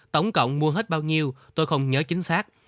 tổng cộng mua hết bao nhiêu tôi không nhớ chính xác